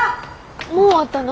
もう終わったの？